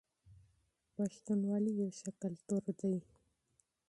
پښتونولي يو ښه کلتور دی.